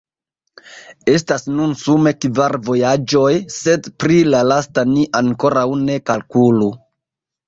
Estas nun sume kvar vojaĝoj, sed pri la lasta ni ankoraŭ ne kalkulu.